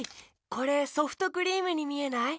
これソフトクリームにみえない？